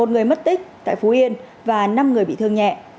một người mất tích tại phú yên và năm người bị thương nhẹ